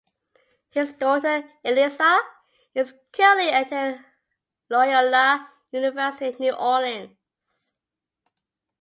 His daughter, Elisa, is currently attending Loyola University New Orleans.